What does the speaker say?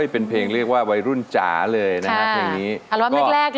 เป็นเพลงเรียกว่าวัยรุ่นเจ๋าเลยน้า